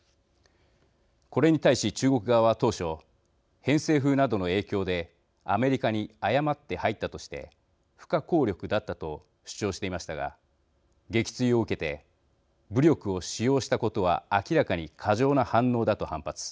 これに対し、中国側は当初偏西風などの影響でアメリカに誤って入ったとして不可抗力だったと主張していましたが撃墜を受けて武力を使用したことは明らかに過剰な反応だと反発。